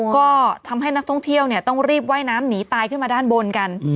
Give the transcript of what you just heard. ก็ทำให้นักท่องเที่ยวต้องรีบว่ายน้ำหนีตายขึ้นมาด้านบนกัน